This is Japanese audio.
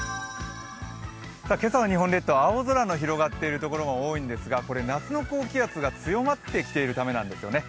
今朝の日本列島は青空が広がっている所が多いんですが、夏の高気圧が強まってきているためなんですね。